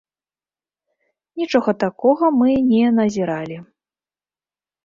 Нічога такога мы не назіралі.